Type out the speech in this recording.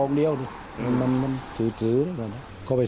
นี่มันไม่แนำ